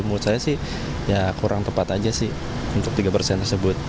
menurut saya sih ya kurang tepat aja sih untuk tiga persen tersebut